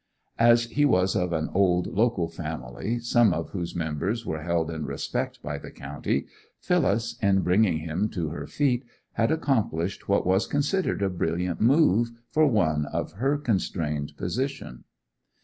As he was of an old local family, some of whose members were held in respect in the county, Phyllis, in bringing him to her feet, had accomplished what was considered a brilliant move for one in her constrained position.